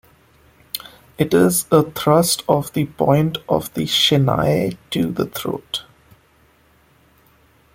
It is a thrust of the point of the "shinai" to the throat.